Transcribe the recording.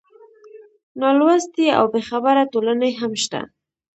نالوستې او بېخبره ټولنې هم شته.